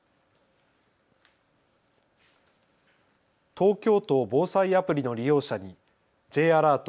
東京都防災アプリの利用者にＪアラート